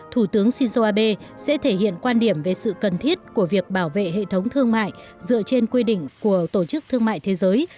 thủ tướng shinzo abe sẽ thể hiện quan điểm về sự cần thiết của việc bảo vệ hệ thống thương mại dựa trên quy định của tổ chức thương mại thế giới